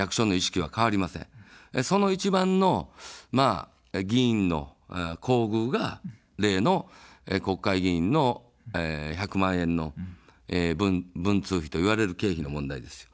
その一番の議員の厚遇が、例の国会議員の１００万円の文通費といわれる経費の問題です。